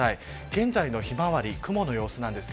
現在のひまわり、雲の様子です。